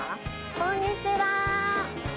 こんにちは。